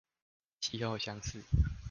氣候相似